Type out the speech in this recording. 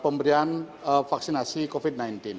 pemberian vaksinasi covid sembilan belas